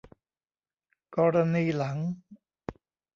กรณีหลัง